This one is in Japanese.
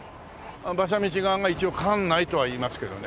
馬車道側が一応「関内」とは言いますけどね。